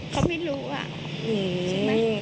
เขาไม่รู้อะ